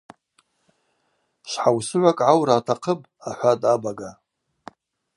Швхӏаусыгӏвакӏ гӏаура атахъыпӏ, – ахӏватӏ абага.